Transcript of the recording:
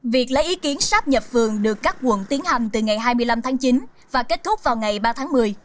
việc lấy ý kiến sắp nhập phường được các quận tiến hành từ ngày hai mươi năm tháng chín và kết thúc vào ngày ba tháng một mươi